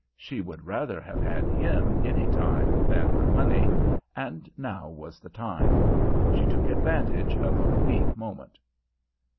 She would rather have had him, any time, than her money, and now was the time. She took advantage of a weak moment."